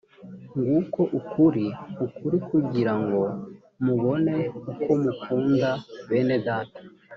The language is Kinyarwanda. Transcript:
nguko ukuri, ukuri kugira ngo mubone uko mukunda bene data